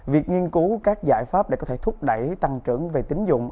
việc nghiên cứu các giải pháp để có thể thúc đẩy tăng trưởng về tính dụng